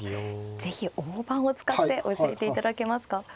是非大盤を使って教えていただけますか。